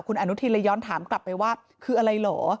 คุณอนุทินเลยย้อนถามกลับไปว่าคืออะไรเหรอ